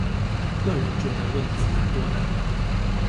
個人覺得問題蠻多的